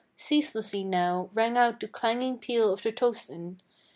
Ceaselessly now rang out the clanging peal of the tocsin.